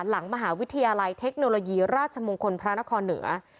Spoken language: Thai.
หลังมหาวิทยาลัยเทคโนโลยีราชมงคลพระนครเหนือ